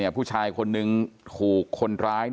ผู้ชายคนหนึ่งถูกคนร้าย